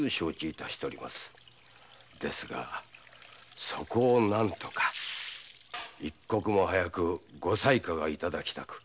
ですがそこを何とか一刻も早くご裁可が頂きたく。